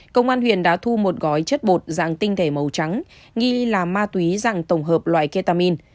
công an huyện đã thu một gói chất bột dạng tinh thể màu trắng nghi là ma túy dạng tổng hợp loại ketamin